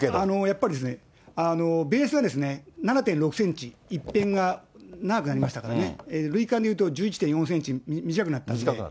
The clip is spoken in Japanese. やっぱりですね、ベースが７．６センチ、一辺が長くなりましたからね、塁間でいうと、１１．４センチ短くなったんで。